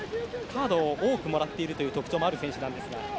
カードを多くもらっているという特徴もある選手ですが。